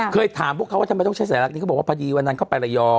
เคยถามพวกเขาว่าทำไมต้องใช้สัญลักษณ์นี้เขาบอกว่าพอดีวันนั้นเข้าไประยอง